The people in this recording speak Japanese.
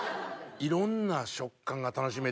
いろんな食感が楽しめて。